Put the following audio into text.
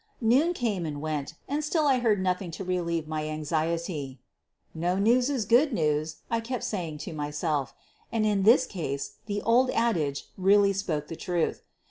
Noon came and went and still I heard nothing to relieve my anxiety. "No news is good news," I kept saying to myself, and in this case the old adage really spoke the truth.